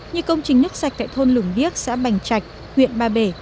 như công trình nước sạch tại thôn lủng điếc xã bành trạch huyện ba bể